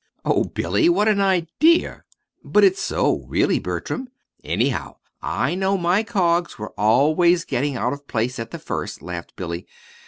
"Oh, Billy, what an idea!" "But it's so, really, Bertram. Anyhow, I know my cogs were always getting out of place at the first," laughed Billy.